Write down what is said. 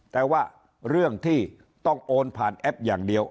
แต่ว่าเรื่องที่ต้องโอนผ่านแอปอย่างเดียว